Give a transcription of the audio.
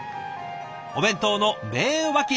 お弁当の名脇役